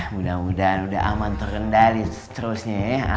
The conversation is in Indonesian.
mudah mudahan udah aman terkendali seterusnya ya